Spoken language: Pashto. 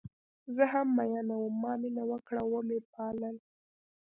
زه هم میینه وم ما مینه وکړه وه مې پالل